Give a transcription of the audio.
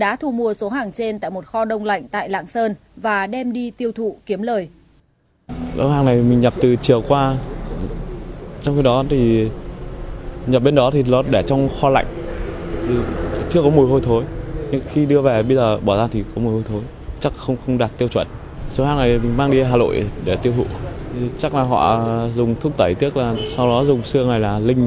đã thu mua số hàng trên tại một kho đông lạnh tại lạng sơn và đem đi tiêu thụ kiếm lời